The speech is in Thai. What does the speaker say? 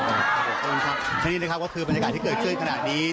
อ๋อขอบคุณครับนี่ก็คือบรรยากาศที่เกิดขึ้นขนาดนี้